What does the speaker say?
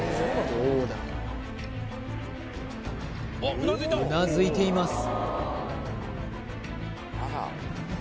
どうだうなずいています